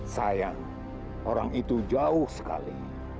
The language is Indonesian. sayang orang itu jauh sekali